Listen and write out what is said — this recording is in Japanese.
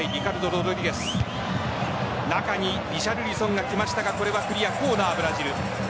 中にリシャルリソンが来ましたがこれはコーナー、ブラジル。